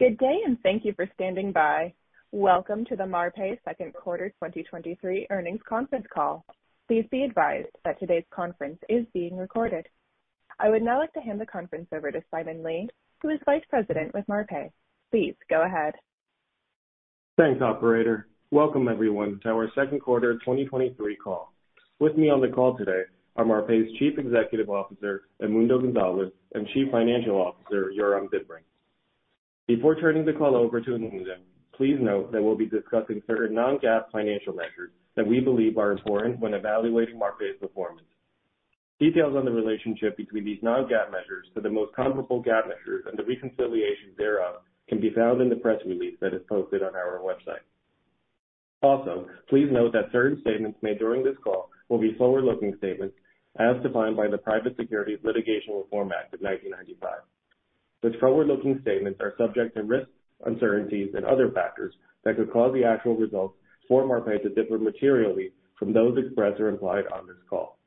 Good day, and thank you for standing by. Welcome to the Marpai second quarter 2023 earnings conference call. Please be advised that today's conference is being recorded. I would now like to hand the conference over to Simon Lee, who is Vice President with Marpai. Please go ahead. Thanks, Operator. Welcome, everyone, to our second quarter 2023 call. With me on the call today are Marpai's Chief Executive Officer, Edmundo Gonzalez, and Chief Financial Officer, Yoram Bibring. Before turning the call over to Edmundo, please note that we'll be discussing certain non-GAAP financial measures that we believe are important when evaluating Marpai's performance. Details on the relationship between these non-GAAP measures to the most comparable GAAP measures and the reconciliation thereof can be found in the press release that is posted on our website. Also, please note that certain statements made during this call will be forward-looking statements as defined by the Private Securities Litigation Reform Act of 1995. Such forward-looking statements are subject to risks, uncertainties, and other factors that could cause the actual results for Marpai to differ materially from those expressed or implied on this call.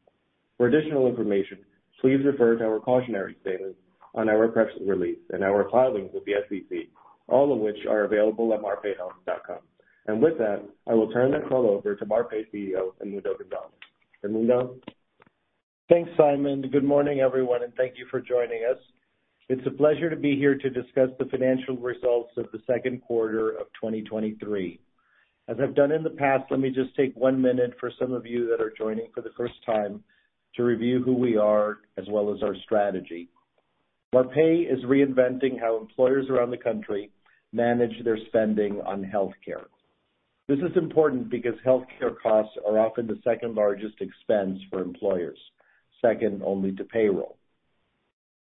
For additional information, please refer to our cautionary statements on our press release and our filings with the SEC, all of which are available at marpaihealth.com. With that, I will turn the call over to Marpai CEO, Edmundo Gonzalez. Edmundo? Thanks, Simon. Good morning, everyone, and thank you for joining us. It's a pleasure to be here to discuss the financial results of the second quarter of 2023. As I've done in the past, let me just take one minute for some of you that are joining for the first time to review who we are, as well as our strategy. Marpai is reinventing how employers around the country manage their spending on healthcare. This is important because healthcare costs are often the second largest expense for employers, second only to payroll.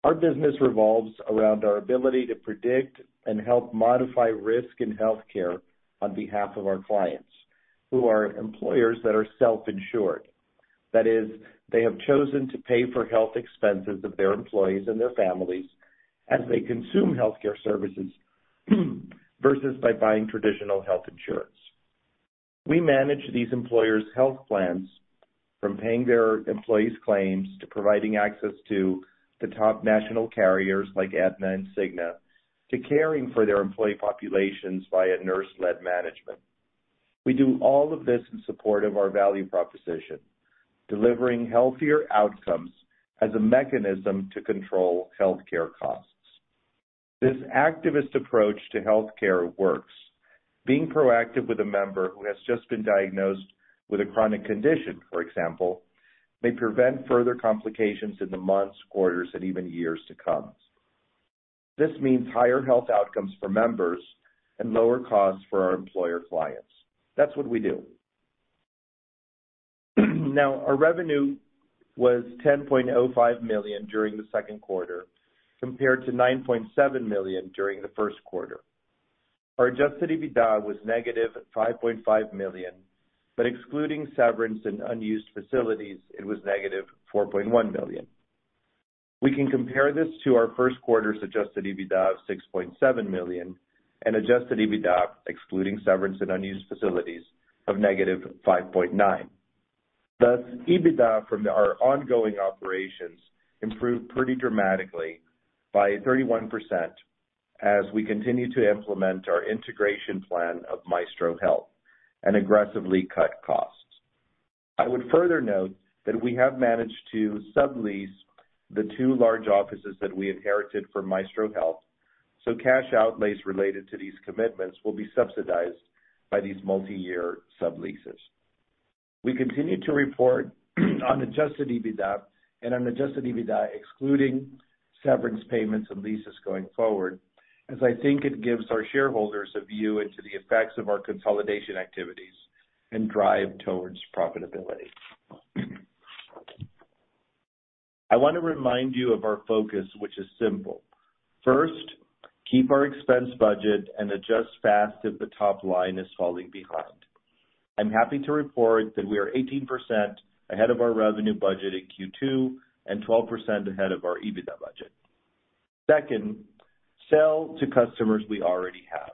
Our business revolves around our ability to predict and help modify risk in healthcare on behalf of our clients, who are employers that are self-insured. That is, they have chosen to pay for health expenses of their employees and their families as they consume healthcare services, versus by buying traditional health insurance. We manage these employers' health plans from paying their employees' claims, to providing access to the top national carriers like Aetna and Cigna, to caring for their employee populations via nurse-led management. We do all of this in support of our value proposition, delivering healthier outcomes as a mechanism to control healthcare costs. This activist approach to healthcare works. Being proactive with a member who has just been diagnosed with a chronic condition, for example, may prevent further complications in the months, quarters, and even years to come. This means higher health outcomes for members and lower costs for our employer clients. That's what we do. Our revenue was $10.05 million during the second quarter, compared to $9.7 million during the first quarter. Our adjusted EBITDA was -$5.5 million, excluding severance and unused facilities, it was -$4.1 million. We can compare this to our first quarter's adjusted EBITDA of $6.7 million and adjusted EBITDA, excluding severance and unused facilities, of -$5.9 million. EBITDA from our ongoing operations improved pretty dramatically by 31% as we continue to implement our integration plan of Maestro Health and aggressively cut costs. I would further note that we have managed to sublease the two large offices that we inherited from Maestro Health, cash outlays related to these commitments will be subsidized by these multi-year subleases. We continue to report on adjusted EBITDA and on adjusted EBITDA, excluding severance payments and leases going forward, as I think it gives our shareholders a view into the effects of our consolidation activities and drive towards profitability. I want to remind you of our focus, which is simple. First, keep our expense budget and adjust fast if the top line is falling behind. I'm happy to report that we are 18% ahead of our revenue budget in Q2 and 12% ahead of our EBITDA budget. Second, sell to customers we already have.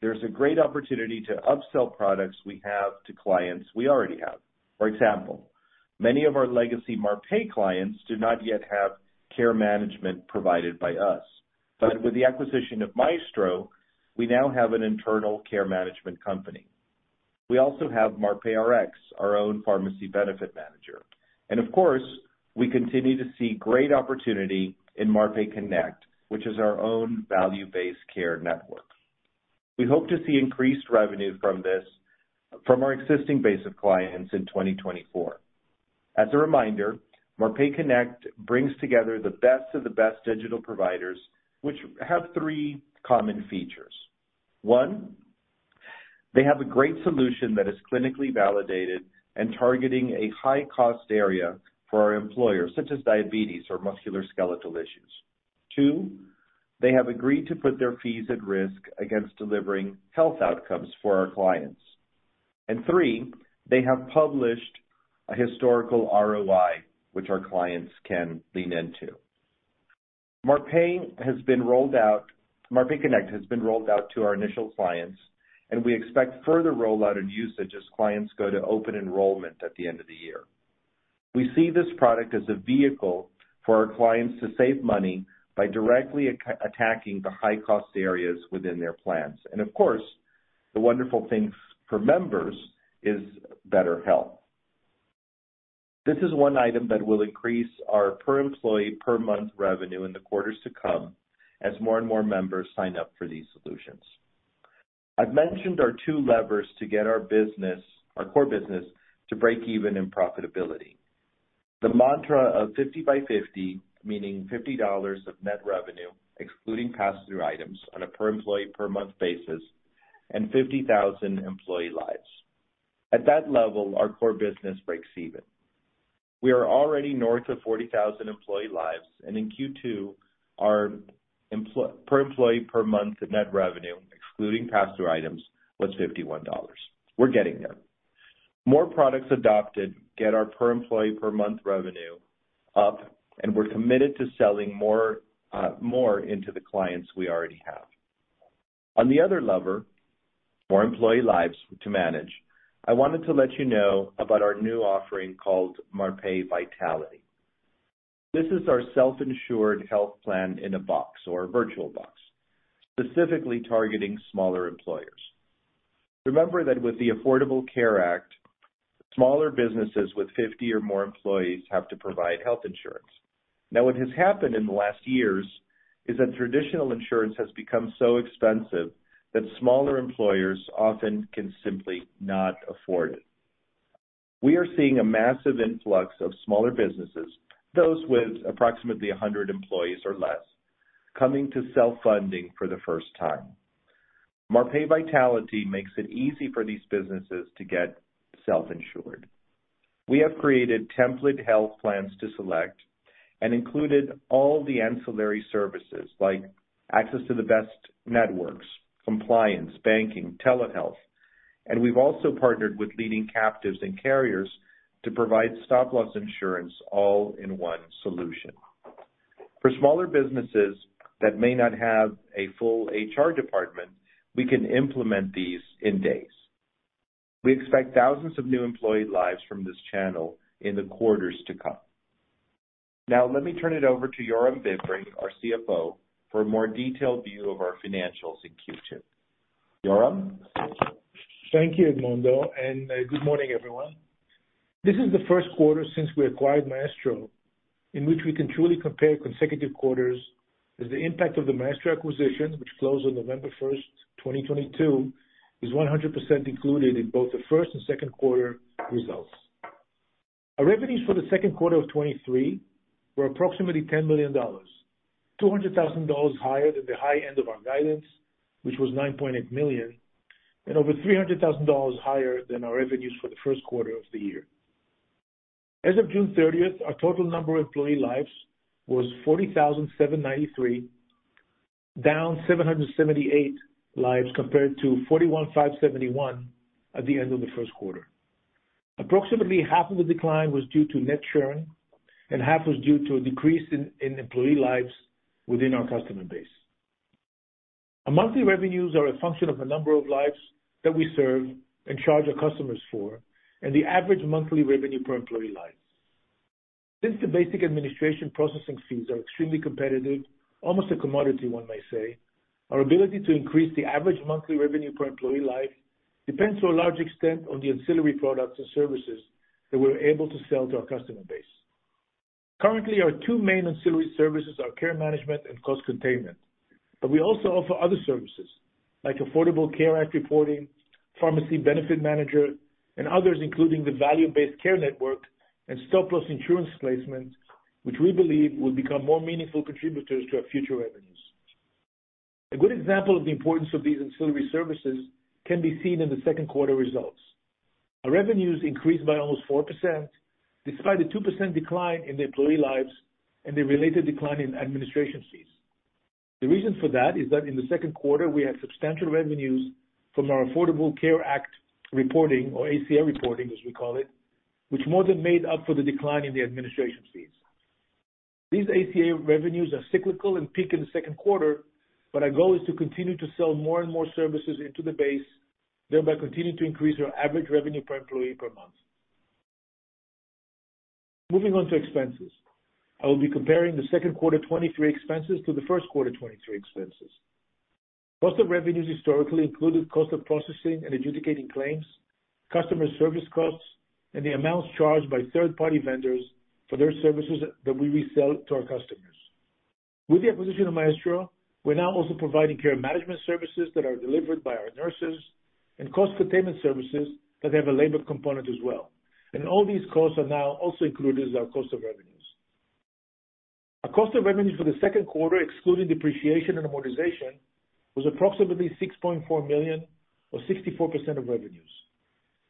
There's a great opportunity to upsell products we have to clients we already have. For example, many of our legacy Marpai clients do not yet have care management provided by us, but with the acquisition of Maestro, we now have an internal care management company. We also have MarpaiRx, our own pharmacy benefit manager. Of course, we continue to see great opportunity in Marpai Connect, which is our own value-based care network. We hope to see increased revenue from this from our existing base of clients in 2024. As a reminder, Marpai Connect brings together the best of the best digital providers, which have three common features. One, they have a great solution that is clinically validated and targeting a high-cost area for our employers, such as diabetes or musculoskeletal issues. Two, they have agreed to put their fees at risk against delivering health outcomes for our clients. Three, they have published a historical ROI, which our clients can lean into. Marpai Connect has been rolled out to our initial clients, and we expect further rollout and usage as clients go to open enrollment at the end of the year. We see this product as a vehicle for our clients to save money by directly attacking the high cost areas within their plans. Of course, the wonderful thing for members is better health. This is one item that will increase our per employee per month revenue in the quarters to come, as more and more members sign up for these solutions. I've mentioned our two levers to get our business, our core business, to break even in profitability. The mantra of 50 by 50, meaning $50 of net revenue, excluding pass-through items, on a per employee per month basis, and 50,000 employee lives. At that level, our core business breaks even. We are already north of 40,000 employee lives, and in Q2, our per employee per month of net revenue, excluding pass-through items, was $51. We're getting there. More products adopted get our per employee per month revenue up, and we're committed to selling more, more into the clients we already have. On the other lever, more employee lives to manage, I wanted to let you know about our new offering called Marpai Vitality. This is our self-insured health plan in a box or virtual box, specifically targeting smaller employers. Remember that with the Affordable Care Act, smaller businesses with 50 or more employees have to provide health insurance. Now, what has happened in the last years is that traditional insurance has become so expensive that smaller employers often can simply not afford it. We are seeing a massive influx of smaller businesses, those with approximately 100 employees or less, coming to self-funding for the first time. Marpai Vitality makes it easy for these businesses to get self-insured. We have created template health plans to select and included all the ancillary services, like access to the best networks, compliance, banking, telehealth, and we've also partnered with leading captives and carriers to provide stop-loss insurance all in one solution. For smaller businesses that may not have a full HR department, we can implement these in days. We expect thousands of new employee lives from this channel in the quarters to come. Let me turn it over to Yoram Bibring, our CFO, for a more detailed view of our financials in Q2. Yoram? Thank you, Edmundo, and good morning, everyone. This is the first quarter since we acquired Maestro, in which we can truly compare consecutive quarters, as the impact of the Maestro acquisition, which closed on November 1st, 2022, is 100% included in both the first and second quarter results. Our revenues for the second quarter of 2023 were approximately $10 million, $200,000 higher than the high end of our guidance, which was $9.8 million, and over $300,000 higher than our revenues for the first quarter of the year. As of June 30th, our total number of employee lives was 40,793, down 778 lives, compared to 41,571 at the end of the first quarter. Approximately half of the decline was due to net churn, and half was due to a decrease in employee lives within our customer base. Our monthly revenues are a function of the number of lives that we serve and charge our customers for, and the average monthly revenue per employee lives. Since the basic administration processing fees are extremely competitive, almost a commodity, one may say, our ability to increase the average monthly revenue per employee life depends to a large extent on the ancillary products and services that we're able to sell to our customer base. Currently, our two main ancillary services are Care Management and Cost Containment, but we also offer other services like Affordable Care Act reporting, Pharmacy Benefit Manager, and others, including the Value-Based Care network and Stop-Loss insurance placement, which we believe will become more meaningful contributors to our future revenues. A good example of the importance of these ancillary services can be seen in the second quarter results. Our revenues increased by almost 4%, despite a 2% decline in the employee lives and the related decline in administration fees. The reason for that is that in the second quarter, we had substantial revenues from our Affordable Care Act reporting, or ACA reporting, as we call it, which more than made up for the decline in the administration fees. These ACA revenues are cyclical and peak in the second quarter, but our goal is to continue to sell more and more services into the base, thereby continuing to increase our average revenue per employee per month. Moving on to expenses. I will be comparing the second quarter 2023 expenses to the first quarter 2023 expenses. Cost of revenues historically included cost of processing and adjudicating claims, customer service costs, and the amounts charged by third-party vendors for their services that we resell to our customers. With the acquisition of Maestro, we're now also providing care management services that are delivered by our nurses, and cost containment services that have a labor component as well. All these costs are now also included as our cost of revenues. Our cost of revenue for the second quarter, excluding depreciation and amortization, was approximately $6.4 million, or 64% of revenues.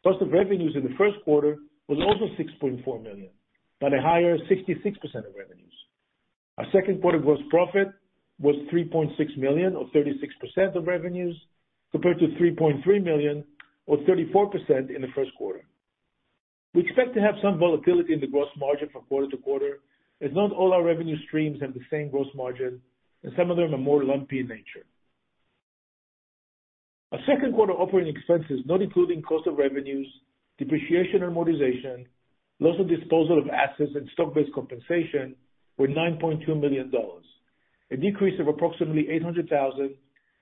Cost of revenues in the first quarter was also $6.4 million, but a higher 66% of revenues. Our second quarter gross profit was $3.6 million, or 36% of revenues, compared to $3.3 million, or 34% in the first quarter. We expect to have some volatility in the gross margin from quarter to quarter, as not all our revenue streams have the same gross margin, and some of them are more lumpy in nature. Our second quarter operating expenses, not including cost of revenues, depreciation and amortization, loss of disposal of assets and stock-based compensation, were $9.2 million, a decrease of approximately $800,000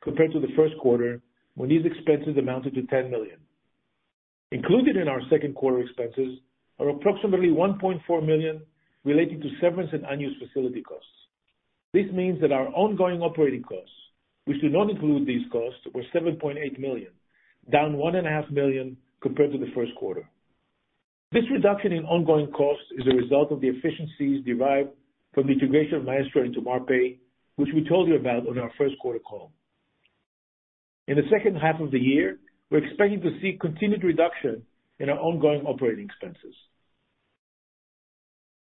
compared to the first quarter, when these expenses amounted to $10 million. Included in our second quarter expenses are approximately $1.4 million related to severance and unused facility costs. This means that our ongoing operating costs, which do not include these costs, were $7.8 million, down $1.5 million compared to the first quarter. This reduction in ongoing costs is a result of the efficiencies derived from the integration of Maestro into Marpai, which we told you about on our first quarter call. In the second half of the year, we're expecting to see continued reduction in our ongoing operating expenses.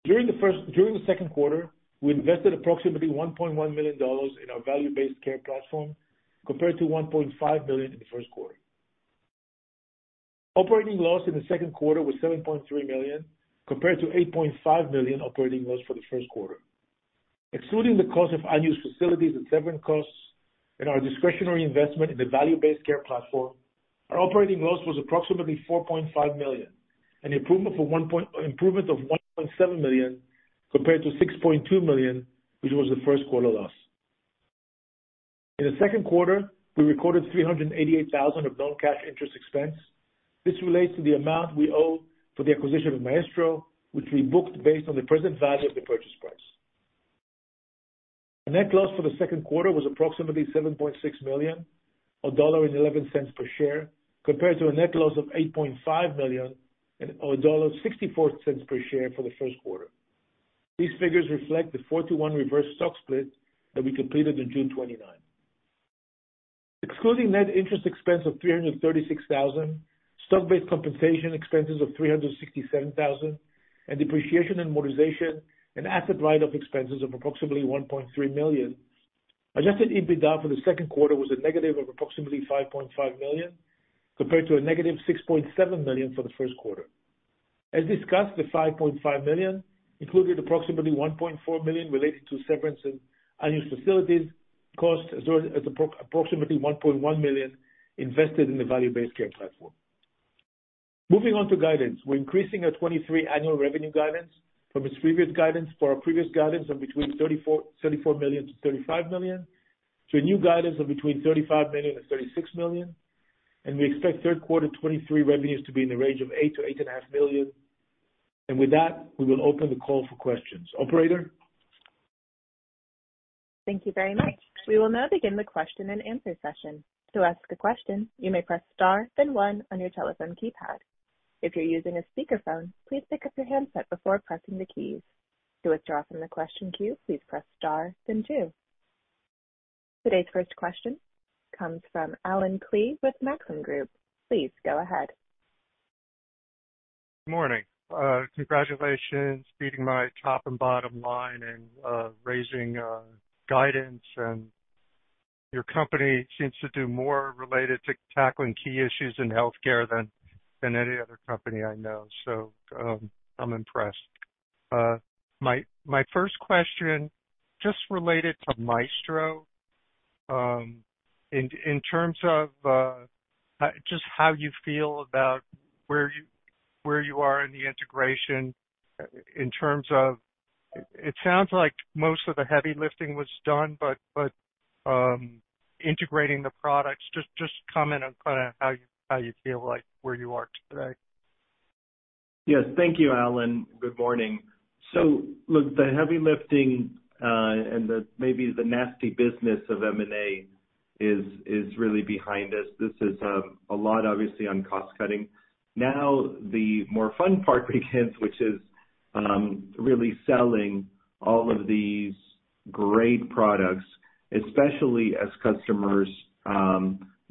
During the second quarter, we invested approximately $1.1 million in our value-based care platform, compared to $1.5 million in the first quarter. Operating loss in the second quarter was $7.3 million, compared to $8.5 million operating loss for the first quarter. Excluding the cost of unused facilities and severance costs and our discretionary investment in the value-based care platform, our operating loss was approximately $4.5 million, an improvement of $1.7 million, compared to $6.2 million, which was the first quarter loss. In the second quarter, we recorded $388,000 of non-cash interest expense. This relates to the amount we owe for the acquisition of Maestro, which we booked based on the present value of the purchase price. Net loss for the second quarter was approximately $7.6 million, or $1.11 per share, compared to a net loss of $8.5 million and, or $1.64 per share for the first quarter. These figures reflect the four-to-one reverse stock split that we completed on June 29. Excluding net interest expense of $336,000, stock-based compensation expenses of $367,000, and depreciation and amortization and asset write-off expenses of approximately $1.3 million, adjusted EBITDA for the second quarter was a negative of approximately $5.5 million, compared to a negative $6.7 million for the first quarter. As discussed, the $5.5 million included approximately $1.4 million related to severance and unused facilities costs as approximately $1.1 million invested in the value-based care platform. Moving on to guidance. We're increasing our 2023 annual revenue guidance from its previous guidance, for our previous guidance on between $34 million to $35 million, to a new guidance of between $35 million and $36 million. We expect third quarter 2023 revenues to be in the range of $8 million-$8.5 million. With that, we will open the call for questions. Operator? Thank you very much. We will now begin the question and answer session. To ask a question, you may press star, then one on your telephone keypad. If you're using a speakerphone, please pick up your handset before pressing the keys. To withdraw from the question queue, please press star, then two. Today's first question comes from Allen Klee with Maxim Group. Please go ahead. Good morning. Congratulations, beating my top and bottom line and raising guidance, and your company seems to do more related to tackling key issues in healthcare than, than any other company I know, so I'm impressed. My, my first question just related to Maestro. In, in terms of, just how you feel about where you, where you are in the integration, in terms of... It sounds like most of the heavy lifting was done, but, but, integrating the products, just, just comment on kinda how you, how you feel like where you are today. Yes. Thank you, Allen. Good morning. Look, the heavy lifting, and the maybe the nasty business of M&A is, is really behind us. This is, a lot obviously on cost cutting. Now, the more fun part begins, which is, really selling all of these great products, especially as customers,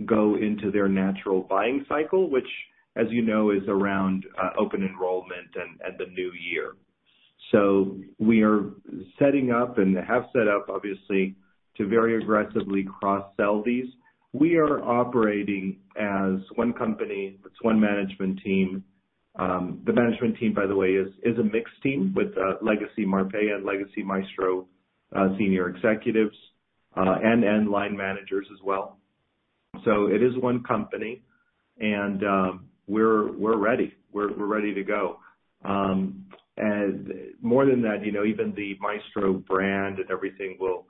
go into their natural buying cycle, which, as you know, is around open enrollment and, and the new year. We are setting up and have set up obviously, to very aggressively cross-sell these. We are operating as one company, with one management team. The management team, by the way, is, is a mixed team with, legacy Marpai and legacy Maestro, senior executives, and end line managers as well. It is one company, and, we're, we're ready. We're, we're ready to go. More than that, you know, even the Maestro brand and everything will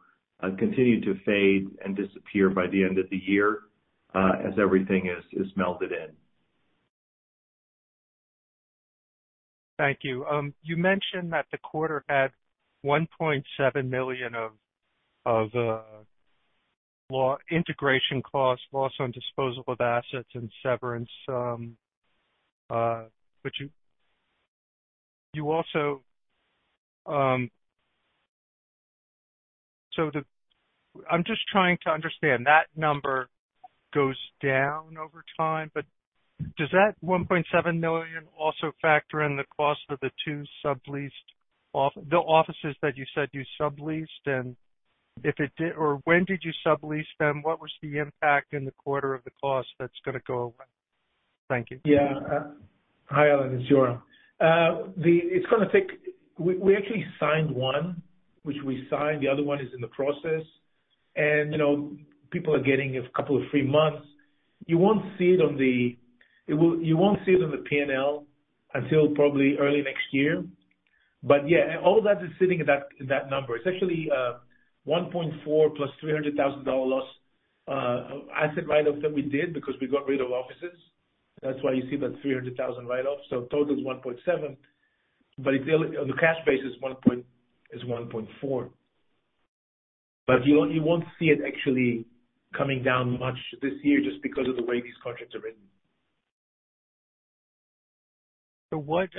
continue to fade and disappear by the end of the year, as everything is, is melded in. Thank you. You mentioned that the quarter had $1.7 million of integration costs, loss on disposal of assets and severance. You, you also, I'm just trying to understand, that number goes down over time, but does that $1.7 million also factor in the cost of the two subleased the offices that you said you subleased? And if it did, or when did you sublease them? What was the impact in the quarter of the cost that's gonna go away? Thank you. Yeah. Hi, Allen, it's Yoram. It's gonna take-- we, we actually signed one, which we signed. The other one is in the process, and, you know, people are getting a couple of free months. You won't see it on the... It will-- You won't see it on the P&L until probably early next year. Yeah, all of that is sitting in that, in that number. It's actually, $1.4 plus $300,000 loss, asset write-off that we did because we got rid of offices. That's why you see that $300,000 write-off, total is $1.7, it's still, the cash base is one point, it's $1.4. You won't, you won't see it actually coming down much this year just because of the way these contracts are written. What...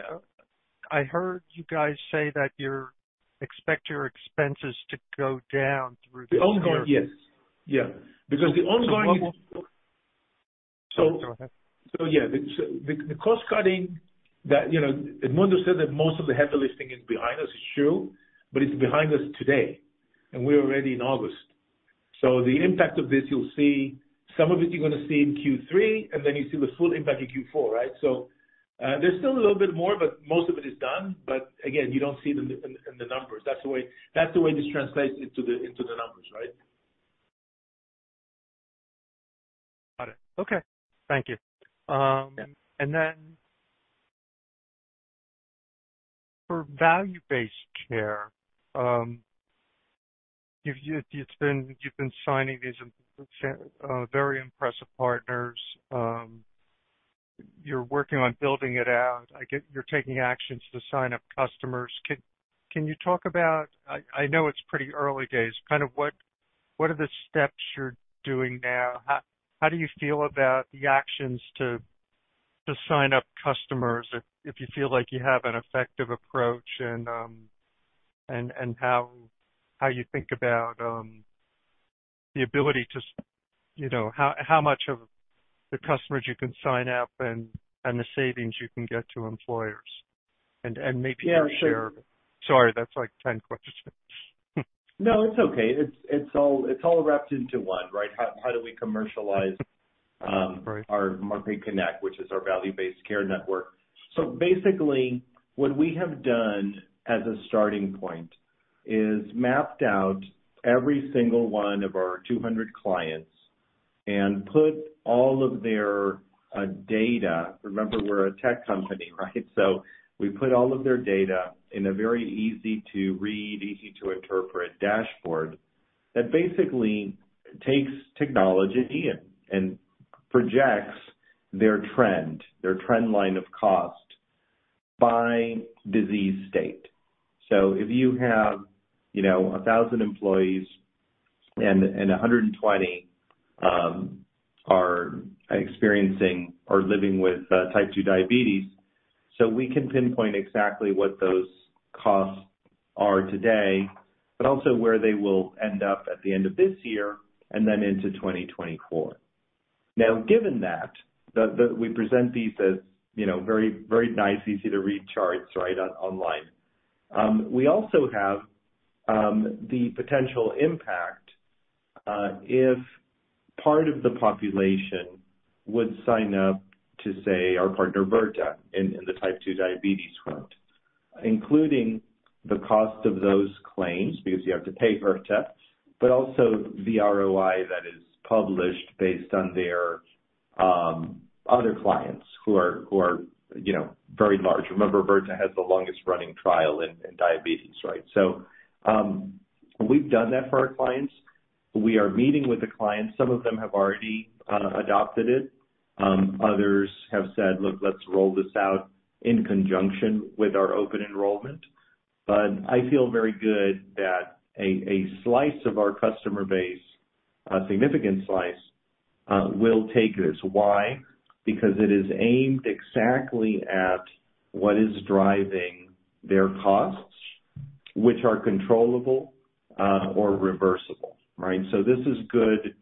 I heard you guys say that you're, expect your expenses to go down through this year? The ongoing, yes. Yeah, because the ongoing- Go ahead. Yeah, the, so the, the cost cutting that, you know, Edmundo said that most of the heavy lifting is behind us, is true, but it's behind us today, and we're already in August. The impact of this, you'll see some of it, you're gonna see in Q3, and then you see the full impact in Q4, right? There's still a little bit more, but most of it is done. Again, you don't see them in, in the numbers. That's the way, that's the way this translates into the, into the numbers, right? Got it. Okay. Thank you. For value-based care, you've, you've, it's been, you've been signing these very impressive partners. You're working on building it out. I get you're taking actions to sign up customers. Can, can you talk about... I, I know it's pretty early days, kind of what, what are the steps you're doing now? How, how do you feel about the actions to, to sign up customers, if, if you feel like you have an effective approach and, and, and how, how you think about the ability to, you know, how, how much of the customers you can sign up and, and the savings you can get to employers, and, and maybe share- Yeah. Sorry, that's like 10 questions. No, it's okay. It's, it's all, it's all wrapped into one, right? How, how do we commercialize Right. our Marpai Connect, which is our value-based care network. What we have done as a starting point is mapped out every single one of our 200 clients and put all of their data. Remember, we're a tech company, right? We put all of their data in a very easy to read, easy to interpret dashboard, that basically takes technology in and projects their trend, their trend line of cost by disease state. If you have, you know, 1,000 employees and 120 are experiencing or living with Type 2 diabetes, so we can pinpoint exactly what those costs are today, but also where they will end up at the end of this year and then into 2024. Given that, the, we present these as, you know, very, very nice, easy to read charts, right, online. We also have the potential impact if part of the population would sign up to, say, our partner Virta, in the Type 2 diabetes front, including the cost of those claims, because you have to pay Virta, but also the ROI that is published based on their other clients who are, you know, very large. Remember, Virta has the longest running trial in diabetes, right? We've done that for our clients. We are meeting with the clients. Some of them have already adopted it. Others have said, look, let's roll this out in conjunction with our open enrollment. I feel very good that a, a slice of our customer base, a significant slice, will take this. Why? Because it is aimed exactly at what is driving their costs, which are controllable, or reversible, right? This is good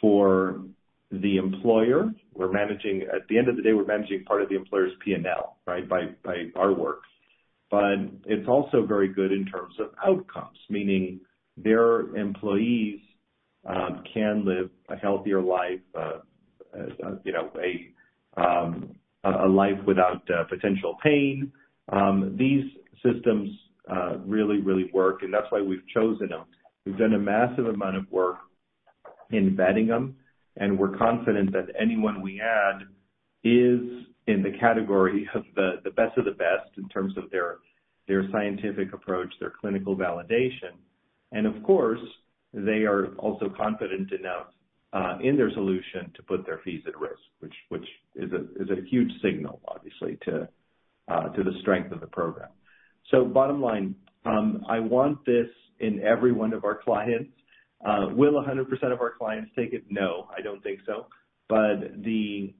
for the employer. We're managing... At the end of the day, we're managing part of the employer's P&L, right? By, by our work. It's also very good in terms of outcomes, meaning their employees, can live a healthier life, you know, a, a life without potential pain. These systems really, really work, and that's why we've chosen them. We've done a massive amount of work in vetting them, and we're confident that anyone we add is in the category of the, the best of the best in terms of their, their scientific approach, their clinical validation. Of course, they are also confident enough in their solution to put their fees at risk, which, which is a, is a huge signal, obviously, to the strength of the program. Bottom line, I want this in every one of our clients. Will 100% of our clients take it? No, I don't think so. The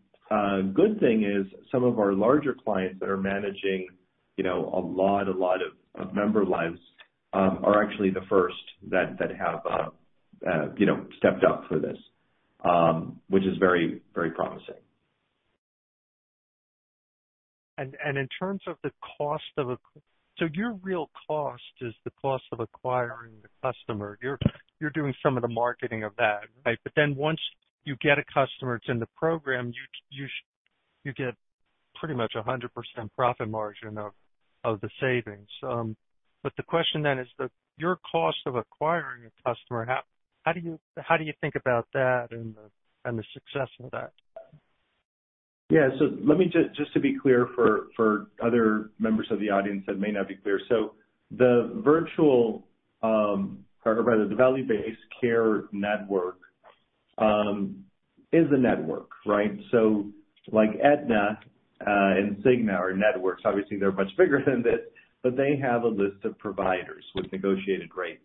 good thing is some of our larger clients that are managing, you know, a lot, a lot of, of member lives, are actually the first that, that have, you know, stepped up for this, which is very, very promising. And, and in terms of the cost of so your real cost is the cost of acquiring the customer. You're, you're doing some of the marketing of that, right? Then once you get a customer that's in the program, you get pretty much 100% profit margin of, of the savings. The question then is that your cost of acquiring a customer, how, how do you, how do you think about that and the, and the success of that? Yeah. Let me just, just to be clear for, for other members of the audience that may not be clear. The virtual, or rather the value-based care network, is a network, right? Like Aetna and Cigna are networks. Obviously, they're much bigger than this, but they have a list of providers with negotiated rates.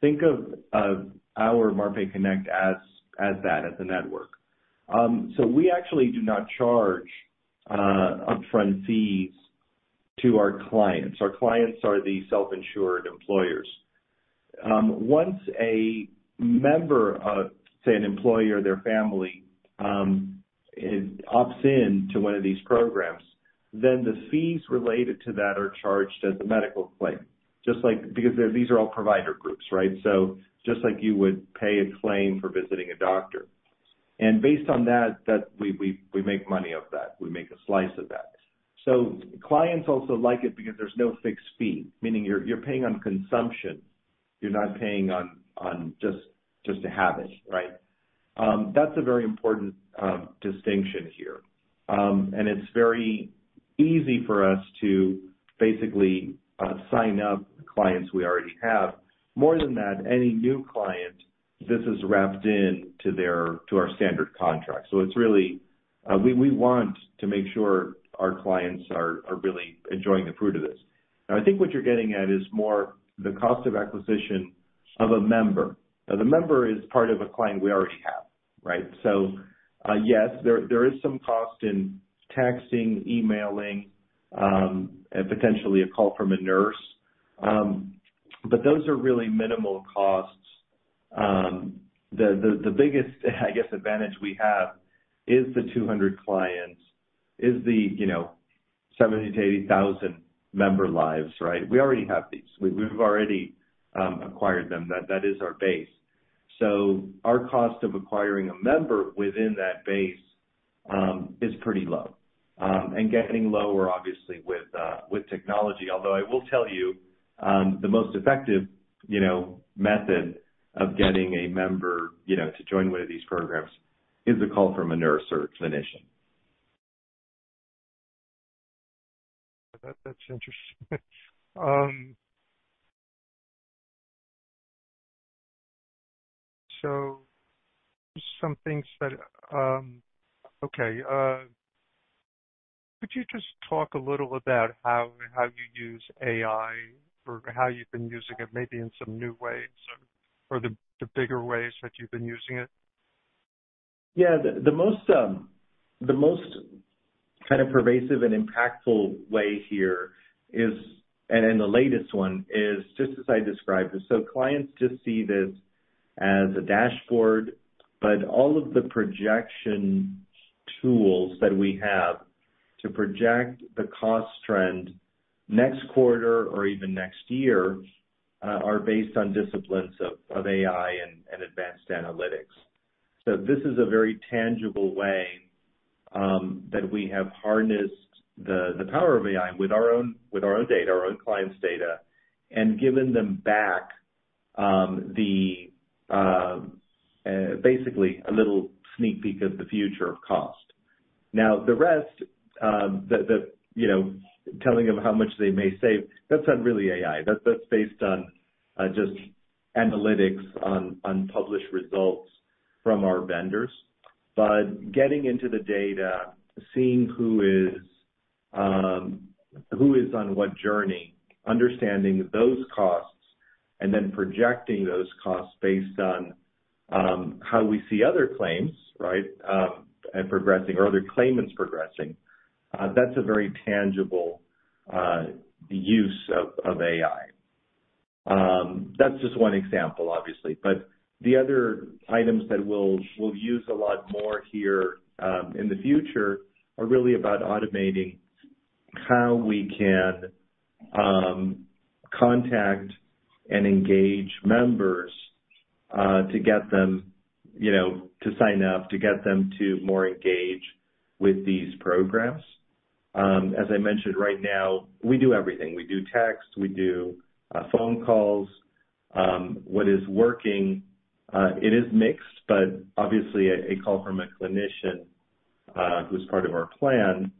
Think of our Marpai Connect as that, as a network. We actually do not charge upfront fees to our clients. Our clients are the self-insured employers. Once a member of, say, an employee or their family, ops in to one of these programs, then the fees related to that are charged as a medical claim. Just like because these are all provider groups, right? Just like you would pay a claim for visiting a doctor. Based on that, that we make money off that, we make a slice of that. Clients also like it because there's no fixed fee, meaning you're paying on consumption, you're not paying on just to have it, right? That's a very important distinction here. And it's very easy for us to basically sign up clients we already have. More than that, any new client, this is wrapped in to their, to our standard contract. It's really, we want to make sure our clients are really enjoying the fruit of this. I think what you're getting at is more the cost of acquisition of a member. The member is part of a client we already have, right? So, yes, there, there is some cost in texting, emailing, and potentially a call from a nurse, but those are really minimal costs. The biggest, I guess, advantage we have is the 200 clients, is the, you know, 70,000-80,000 member lives, right? We already have these. We, we've already acquired them. That, that is our base. Our cost of acquiring a member within that base, is pretty low, and getting lower, obviously, with technology. Although I will tell you, the most effective, you know, method of getting a member, you know, to join one of these programs is a call from a nurse or a clinician. That, that's interesting. So, something... Okay, could you just talk a little about how, how you use AI or how you've been using it, maybe in some new ways or, or the, the bigger ways that you've been using it? Yeah. The, the most, the most kind of pervasive and impactful way here is, and, and the latest one is, just as I described it, so clients just see this as a dashboard, but all of the projection tools that we have to project the cost trend next quarter or even next year, are based on disciplines of, of AI and, and advanced analytics. This is a very tangible way that we have harnessed the, the power of AI with our own, with our own data, our own clients' data, and given them back, basically a little sneak peek of the future of cost. The rest, the, the, you know, telling them how much they may save, that's not really AI. That, that's based on, just analytics on, on published results from our vendors. Getting into the data, seeing who is, who is on what journey, understanding those costs, and then projecting those costs based on how we see other claims, right, and progressing or other claimants progressing, that's a very tangible use of, of AI. That's just one example, obviously, but the other items that we'll, we'll use a lot more here in the future, are really about automating how we can contact and engage members, to get them, you know, to sign up, to get them to more engaged with these programs. As I mentioned, right now, we do everything. We do text, we do phone calls. What is working, it is mixed, but obviously a, a call from a clinician, who's part of our plan,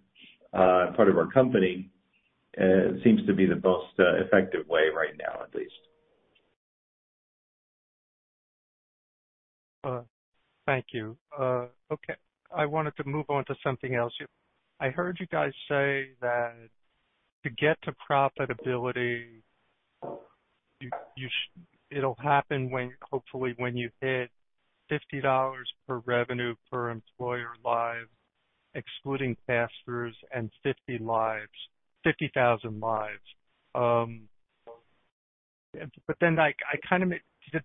part of our company, seems to be the most effective way right now, at least. Thank you. Okay. I wanted to move on to something else. I heard you guys say that to get to profitability, you, it'll happen when, hopefully when you hit $50 per revenue per employer live, excluding pass-throughs and 50 lives, 50,000 lives. Then like I kind of made,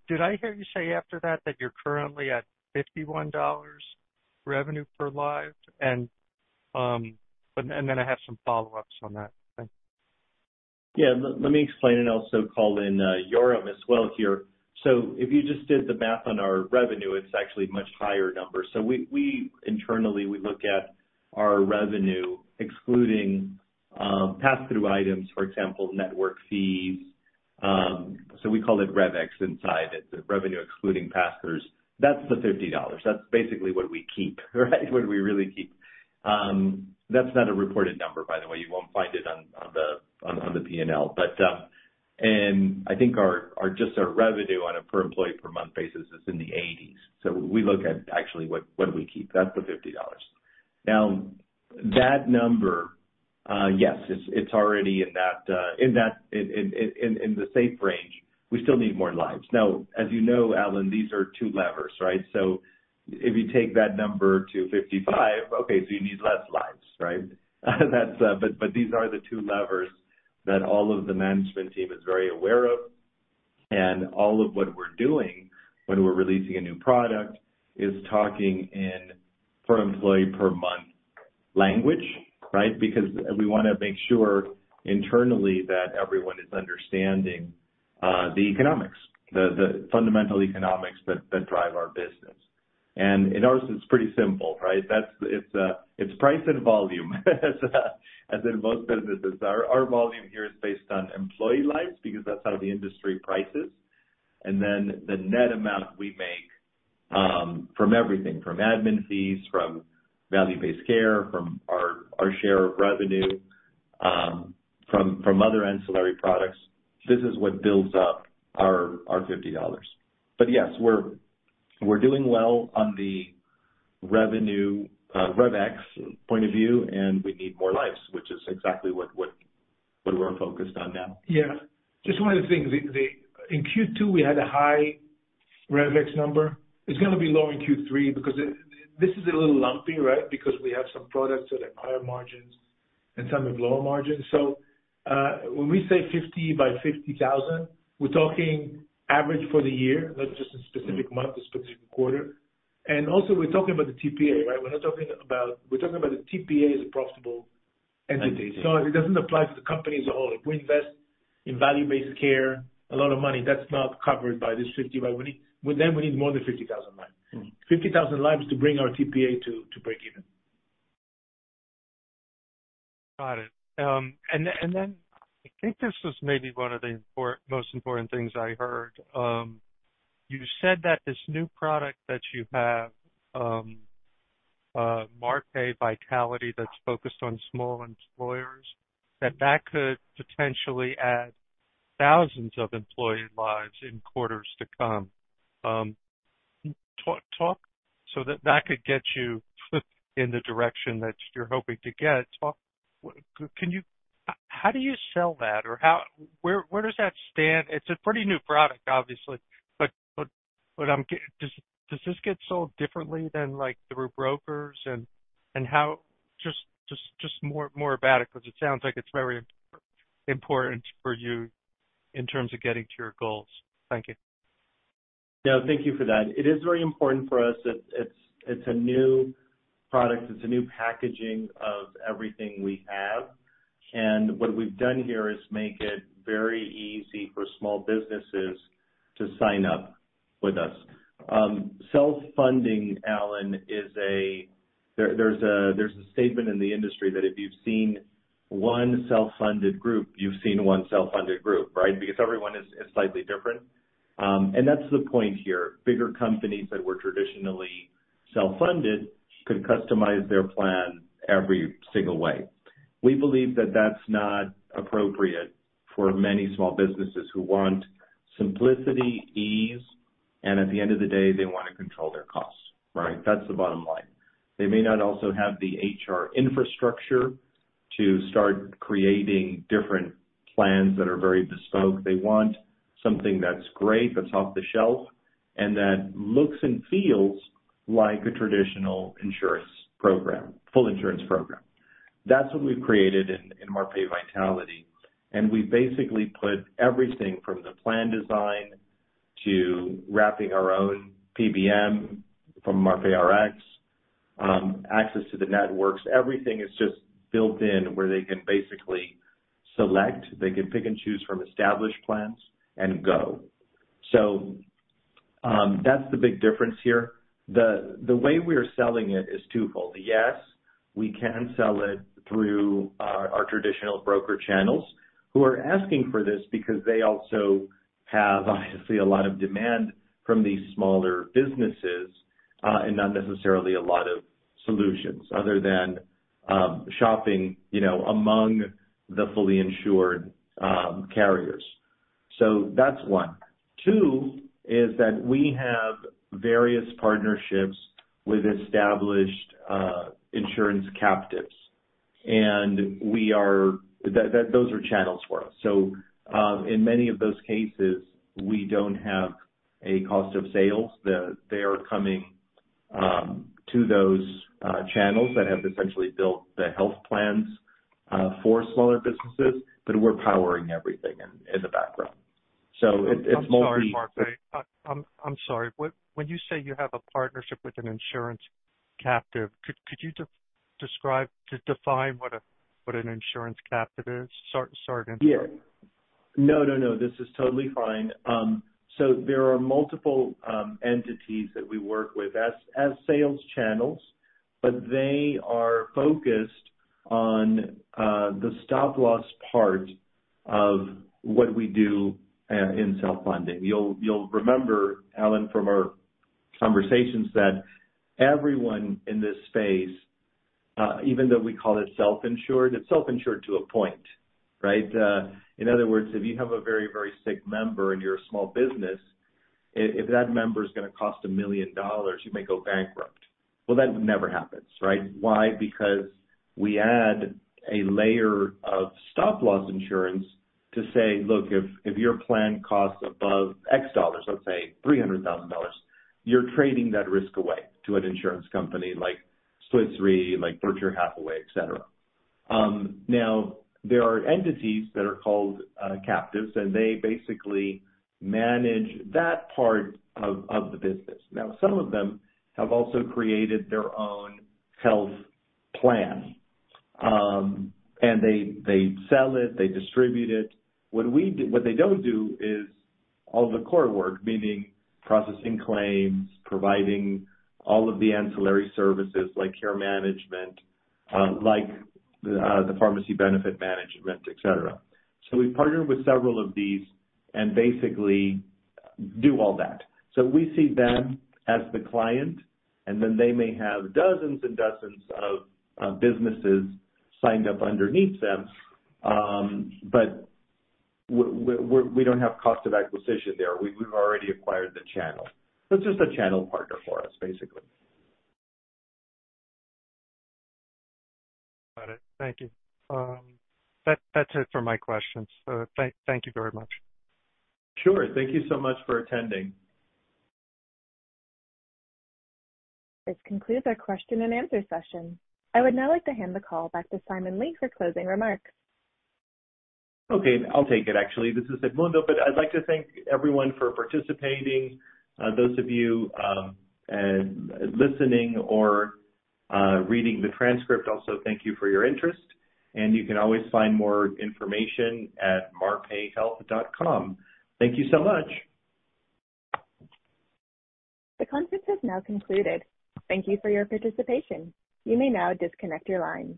did I hear you say after that, that you're currently at $51 revenue per live? And then I have some follow-ups on that. Thanks. Yeah, let me explain and also call in Yoram as well here. If you just did the math on our revenue, it's actually a much higher number. We internally, we look at our revenue excluding pass-through items, for example, network fees. We call it RevX inside. It's the revenue excluding pass-throughs. That's the $50. That's basically what we keep, right? What we really keep. That's not a reported number, by the way. You won't find it on the P&L. I think our just our revenue on a per employee per month basis is in the 80s. We look at actually what we keep. That's the $50. Now, that number, yes, it's already in that safe range. We still need more lives. As you know, Allen Klee, these are two levers, right? If you take that number to 55, okay, so you need less lives, right? That's, these are the two levers that all of the management team is very aware of. All of what we're doing when we're releasing a new product is talking in per employee per month language, right? Because we wanna make sure internally that everyone is understanding the economics, the, the fundamental economics that, that drive our business. In ours, it's pretty simple, right? That's... It's, it's price and volume, as in most businesses. Our, our volume here is based on employee lives, because that's how the industry prices, and then the net amount we make from everything, from admin fees, from value-based care, from our, our share of revenue, from, from other ancillary products, this is what builds up our, our $50. Yes, we're, we're doing well on the revenue, RevX point of view, and we need more lives, which is exactly what, what, what we're focused on now. Yeah. Just one of the things, the, the, in Q2, we had a high RevX number. It's gonna be low in Q3, because it, this is a little lumpy, right? Because we have some products that are higher margins and some with lower margins. When we say 50 by 50,000, we're talking average for the year, not just a specific month, a specific quarter. Also, we're talking about the TPA, right? We're not talking about... We're talking about the TPA as a profitable entity. It doesn't apply to the company as a whole. If we invest in value-based care, a lot of money, that's not covered by this 50, but we need, with them, we need more than 50,000 lives. 50,000 lives to bring our TPA to, to break even. Got it. Then I think this is maybe one of the most important things I heard. You said that this new product that you have, Marpai Vitality, that's focused on small employers, that that could potentially add thousands of employee lives in quarters to come. Talk, so that that could get you, in the direction that you're hoping to get. Talk, can you how do you sell that or how, where does that stand? It's a pretty new product, obviously, but I'm getting. Does this get sold differently than, like, through brokers? How, just more about it, because it sounds like it's very important for you in terms of getting to your goals. Thank you. Yeah, thank you for that. It is very important for us. It's, it's, it's a new product. It's a new packaging of everything we have. What we've done here is make it very easy for small businesses to sign up with us. self-funding, Allen, there's a, there's a statement in the industry that if you've seen one self-funded group, you've seen one self-funded group, right? Because everyone is, is slightly different. That's the point here. Bigger companies that were traditionally self-funded could customize their plan every single way. We believe that that's not appropriate for many small businesses who want simplicity, ease, and at the end of the day, they want to control their costs, right? That's the bottom line. They may not also have the HR infrastructure to start creating different plans that are very bespoke. They want something that's great, that's off the shelf, and that looks and feels like a traditional insurance program, full insurance program. That's what we've created in Marpai Vitality, and we basically put everything from the plan design to wrapping our own PBM from MarpaiRx, access to the networks. Everything is just built in where they can basically select, they can pick and choose from established plans and go. That's the big difference here. The way we are selling it is twofold. Yes, we can sell it through our traditional broker channels, who are asking for this because they also have, obviously, a lot of demand from these smaller businesses, and not necessarily a lot of solutions other than shopping, you know, among the fully insured carriers. That's one. Two, is that we have various partnerships with established, insurance captives, and we are... That, that, those are channels for us. In many of those cases, we don't have a cost of sales. The, they are coming-... to those, channels that have essentially built the health plans, for smaller businesses, but we're powering everything in, in the background. It, it's multi- I'm sorry, Marpai. I, I'm, I'm sorry. When you say you have a partnership with an insurance captive, could you describe, just define what a, what an insurance captive is? Start, start at the beginning. Yeah. No, no, no. This is totally fine. There are multiple entities that we work with as, as sales channels, but they are focused on the stop-loss part of what we do in self-funding. You'll, you'll remember, Allen Klee, from our conversations, that everyone in this space, even though we call it self-insured, it's self-insured to a point, right? In other words, if you have a very, very sick member in your small business, i-if that member's gonna cost $1 million, you may go bankrupt. That never happens, right? Why? Because we add a layer of stop-loss insurance to say, "Look, if, if your plan costs above X dollars, let's say $300,000, you're trading that risk away to an insurance company like Swiss Re, like Berkshire Hathaway, et cetera." Now, there are entities that are called captives, and they basically manage that part of, of the business. Now, some of them have also created their own health plan, and they, they sell it, they distribute it. What they don't do is all the core work, meaning processing claims, providing all of the ancillary services like care management, like the pharmacy benefit management, et cetera. We partner with several of these and basically do all that. we see them as the client, and then they may have dozens and dozens of businesses signed up underneath them, but we don't have cost of acquisition there. We've already acquired the channel. It's just a channel partner for us, basically. Got it. Thank you. That's it for my questions. Thank you very much. Sure. Thank you so much for attending. This concludes our question and answer session. I would now like to hand the call back to Simon Lee for closing remarks. Okay. I'll take it, actually. This is Edmundo, but I'd like to thank everyone for participating. Those of you listening or reading the transcript, also thank you for your interest, and you can always find more information at marpaihealth.com. Thank you so much. The conference has now concluded. Thank you for your participation. You may now disconnect your lines.